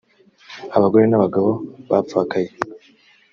abagore n abagabo bapfakaye